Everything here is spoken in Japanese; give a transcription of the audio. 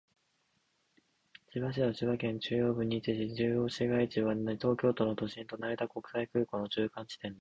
千葉市は千葉県の中央部に位置し、中心市街地は東京都の都心と成田国際空港の中間地点である。